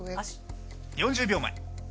４０秒前。